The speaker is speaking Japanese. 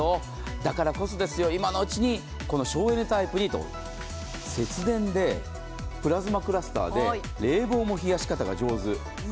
だからこそですよ、今のうちに省エネタイプに、節電で、プラズマクラスターで冷房も冷やし方が上手。